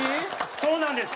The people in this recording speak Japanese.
そうなんです。